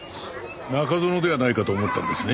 中園ではないかと思ったんですね？